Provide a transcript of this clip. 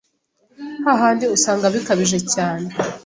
hahandi usanga bikabije cyane